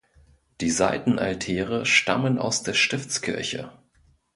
Die Seitenaltäre stammen aus der Stiftskirche.